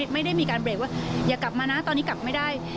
ไม่ได้มีการเบรกว่าอย่ากลับมานะตอนนี้กลับไม่ได้